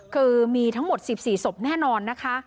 คือมีทั้งหมด๑๔ศพแน่นอนนะคะ